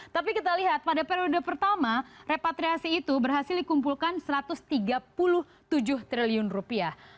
tapi kita lihat pada periode pertama repatriasi itu berhasil dikumpulkan satu ratus tiga puluh tujuh triliun rupiah